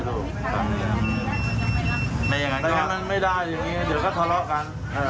แต่งั้นมันไม่ได้อย่างนี้เดี๋ยวก็ทะเลาะกัน